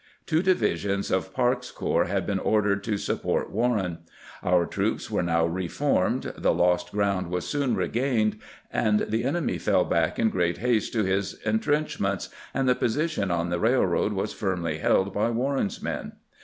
Two divisions of Parke's corps had been ordered to sup port Warren ; our troops were now reformed, the lost ground was soon regained, the enemy fell back in great haste to his intrenchments, and the position on the railroad was firmly held by Warren's men.